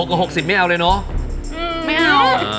๖กับ๖๐ไม่เอาเลยเนาะ